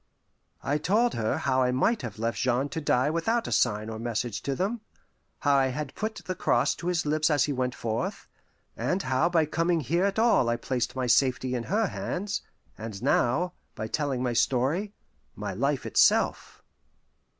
I told her how I might have left Jean to die without a sign or message to them, how I had put the cross to his lips as he went forth, and how by coming here at all I placed my safety in her hands, and now, by telling my story, my life itself.